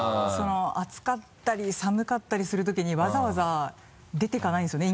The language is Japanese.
暑かったり寒かったりするときにわざわざ出て行かないんですよね